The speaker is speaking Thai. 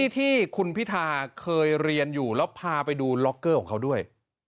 ที่คุณพิธาเคยเรียนอยู่แล้วพาไปดูล็อกเกอร์ของเขาด้วย